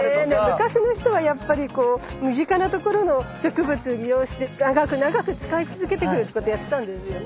昔の人はやっぱり身近なところの植物利用して長く長く使い続けていくことをやってたんですよね。